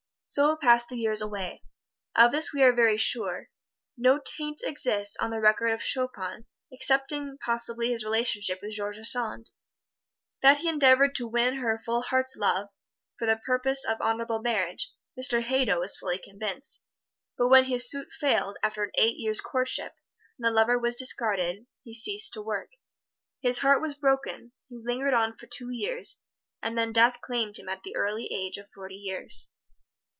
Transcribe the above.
So passed the years away. Of this we are very sure no taint exists on the record of Chopin excepting possibly his relationship with George Sand. That he endeavored to win her full heart's love, for the purpose of honorable marriage, Mr. Hadow is fully convinced. But when his suit failed, after an eight years' courtship, and the lover was discarded, he ceased to work. His heart was broken; he lingered on for two years, and then death claimed him at the early age of forty years.